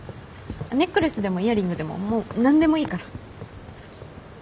ネックレスでもイヤリングでももう何でもいいから。